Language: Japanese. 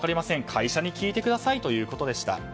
会社に聞いてくださいということでした。